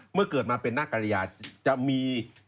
เมื่อเกิดมาเป็นนักกรยาจะมี